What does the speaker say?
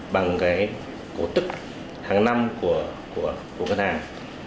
bằng cái cố tức hàng năm của các ngân hàng